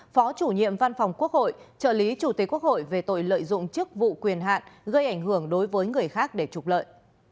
phó chủ nhiệm văn phòng quốc hội trợ lý chủ tế quốc hội về tội lợi dụng chức vụ quyền hạn gây ảnh hưởng đối với người khác để trục lợi